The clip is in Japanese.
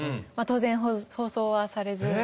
まあ当然放送はされず。